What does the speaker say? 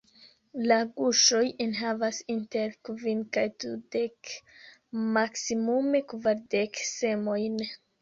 La guŝoj enhavas inter kvin kaj dudek, maksimume kvardek semojn.